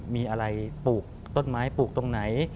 มีอะไรปลูกต้นไม้ปลูกตรงไหน